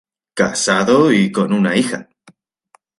Casado y con una hija.